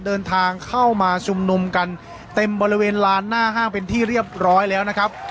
เดินทางเข้ามาชุมนุมกันเต็มบริเวณลานหน้าห้างเป็นที่เรียบร้อยแล้วนะครับ